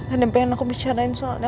ada yang pengen aku bicarain soalnya